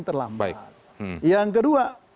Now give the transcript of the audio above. terlambat yang kedua